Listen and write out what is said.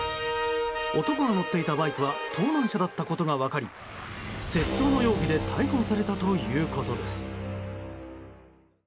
男が乗っていたバイクは盗難車だったことが分かり窃盗の容疑で逮捕されたということです。